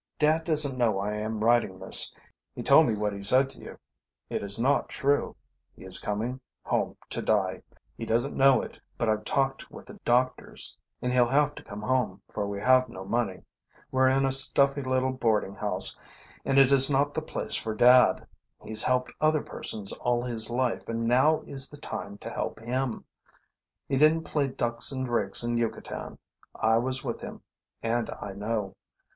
"Dad doesn't know I am writing this. He told me what he said to you. It is not true. He is coming home to die. He doesn't know it, but I've talked with the doctors. And he'll have to come home, for we have no money. We're in a stuffy little boarding house, and it is not the place for Dad. He's helped other persons all his life, and now is the time to help him. He didn't play ducks and drakes in Yucatan. I was with him, and I know.